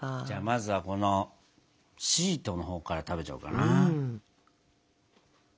じゃあまずはこのシートのほうから食べちゃおうかな。